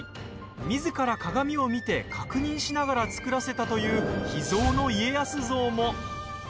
みずから鏡を見て確認しながら作らせたという秘蔵の家康像も。